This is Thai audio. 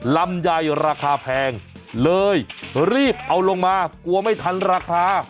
ลำไยราคาแพงเลยรีบเอาลงมากลัวไม่ทันราคา